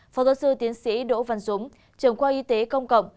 phó giáo sư tiến sĩ đỗ văn dũng trưởng khoa y tế công cộng